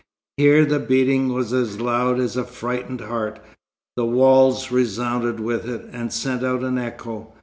Here the beating was as loud as a frightened heart. The walls resounded with it, and sent out an echo.